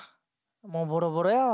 もうボロボロやわ。